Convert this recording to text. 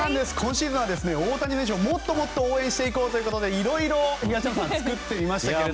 今シーズンは大谷選手をもっともっと応援していこうということで東山さんいろいろ作ってみました。